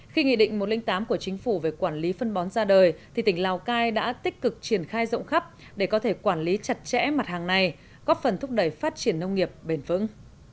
khi nghị định một trăm linh tám của chính phủ về quản lý phân bón ra đời thì tỉnh lào cai đã tích cực triển khai rộng khắp để có thể quản lý chặt chẽ mặt hàng này góp phần thúc đẩy phát triển nông nghiệp bền vững